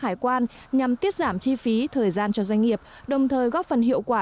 hải quan nhằm tiết giảm chi phí thời gian cho doanh nghiệp đồng thời góp phần hiệu quả